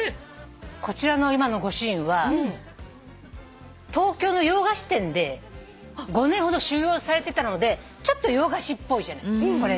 こちらの今のご主人は東京の洋菓子店で５年ほど修業されてたのでちょっと洋菓子っぽいじゃない？